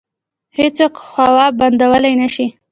هیڅوک هوا بندولی نشي.